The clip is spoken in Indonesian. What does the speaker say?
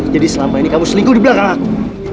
jadi selama ini kamu selingkuh di belakang aku